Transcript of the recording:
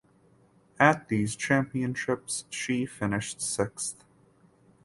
At these championships she finished sixth.